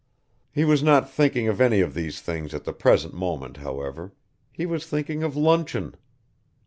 He was not thinking of any of these things at the present moment, however; he was thinking of luncheon.